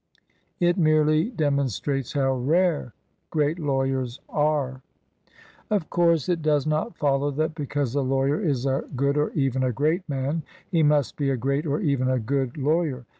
It merely demon strates how rare great lawyers are. Of course it does not follow that because a lawyer is a good, or even a great, man, he must be a great, or even a good, lawyer.